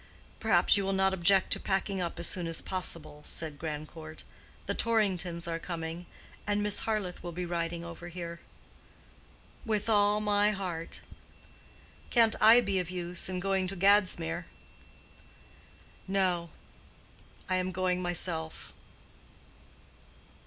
"Perhaps you will not object to packing up as soon as possible," said Grandcourt. "The Torringtons are coming, and Miss Harleth will be riding over here." "With all my heart. Can't I be of use in going to Gadsmere?" "No. I am going myself."